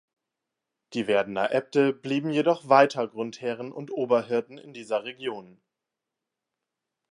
Die Werdener Äbte blieben jedoch weiter Grundherren und Oberhirten in dieser Region.